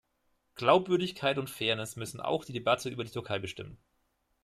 Glaubwürdigkeit und Fairness müssen auch die Debatte über die Türkei bestimmen.